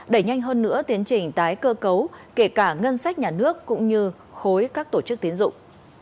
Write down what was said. đẩy nhanh hơn nữa tiến trình tái cơ cấu kể cả ngân sách nhà nước cũng như khối các tổ chức tiến dụng